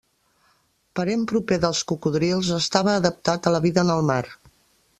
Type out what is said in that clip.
Parent proper dels cocodrils, estava adaptat a la vida en el mar.